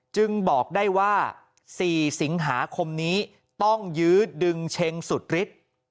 จึงบอกได้ว่า๔สิงหาคมนี้ต้องยื้อดึงเช็งสุดฤทธิ์